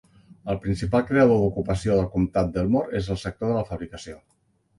El principal creador d'ocupació del comtat d'Elmore és el sector de la fabricació.